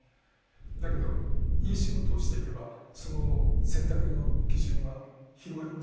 だけどいい仕事をしていけばその選択の基準は広がりますよね。